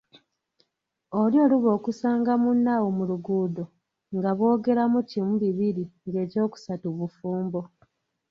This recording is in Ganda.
Oli oluba okusanga munne awo mu luguudo, nga boogera mu kimu bibiri, ng’ekyokusatu bufumbo.